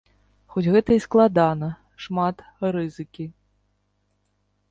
Хоць гэта і складана, шмат рызыкі.